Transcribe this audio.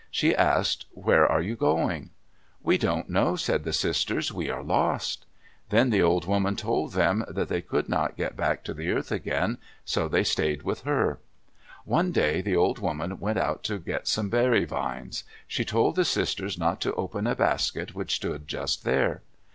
She asked, "Where are you going?" "We don't know," said the sisters. "We are lost." Then the old woman told them they could not get back to the earth again, so they stayed with her. One day the old woman went out to get some berry vines. She told the sisters not to open a basket which stood just there.